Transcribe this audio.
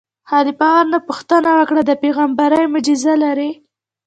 خلیفه ورنه پوښتنه وکړه: د پېغمبرۍ معجزه لرې.